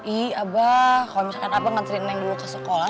ih abah kalau misalkan abah ngantriin neng dulu ke sekolah